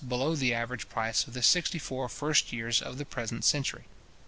below the average price of the sixty four first years of the present century.